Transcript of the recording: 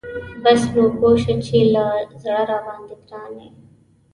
بس نو پوه شه چې له زړه راباندی ګران یي .